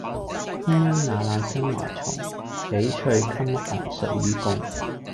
鴛鴦瓦冷霜華重，翡翠衾寒誰與共？